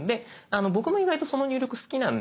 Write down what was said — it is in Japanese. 僕も意外とその入力好きなんです。